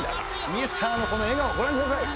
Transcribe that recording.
ミスターのこの笑顔ご覧ください。